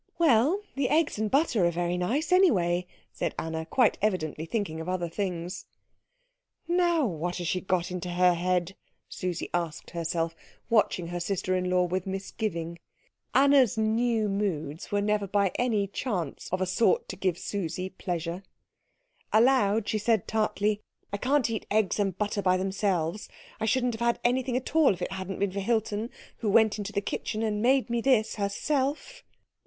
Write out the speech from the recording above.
"Well, the eggs and butter are very nice, anyway," said Anna, quite evidently thinking of other things. "Now what has she got into her head?" Susie asked herself, watching her sister in law with misgiving. Anna's new moods were never by any chance of a sort to give Susie pleasure. Aloud she said tartly, "I can't eat eggs and butter by themselves. I shouldn't have had anything at all if it hadn't been for Hilton, who went into the kitchen and made me this herself."